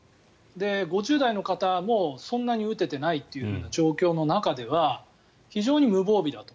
５０代の方もそんなに打ててないという状況の中では非常に無防備だと。